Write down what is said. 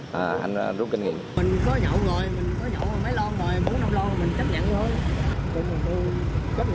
mình có nhậu rồi mình có nhậu mấy lon rồi bốn năm lon rồi mình chấp nhận rồi